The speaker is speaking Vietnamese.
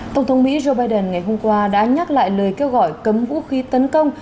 tổng thống mỹ joe biden ngày hôm qua đã nhắc lại lời kêu gọi cấm vũ khí tấn công